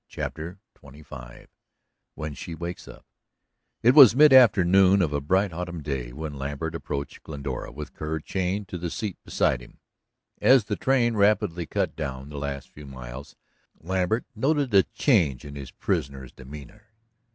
CHAPTER XXV "WHEN SHE WAKES UP" It was mid afternoon of a bright autumn day when Lambert approached Glendora with Kerr chained to the seat beside him. As the train rapidly cut down the last few miles, Lambert noted a change in his prisoner's demeanor.